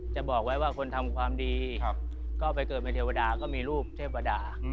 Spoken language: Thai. จะบอกไว้ว่าคนทำความดีก็ไปเกิดเป็นเทวดาก็มีรูปเทวดา